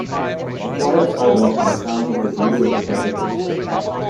A quiet sidewalk in a town with a view of a traffic intersection.